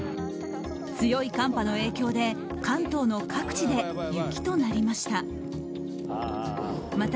強い寒波の影響で関東の各地で雪となりました。